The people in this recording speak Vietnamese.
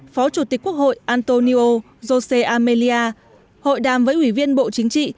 phó chủ tịch quốc hội antonio josé amélia hội đàm với ủy viên bộ chính trị